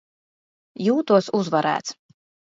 Jūtos uzvarēts.